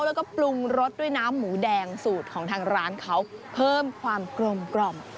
แล้วก็ปรุงรสด้วยน้ำหมูแดงสูตรของทางร้านเขาเพิ่มความกลม